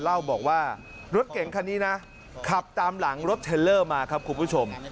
เล่าบอกว่ารถเก่งคันนี้นะขับตามหลังรถเทลเลอร์มาครับคุณผู้ชม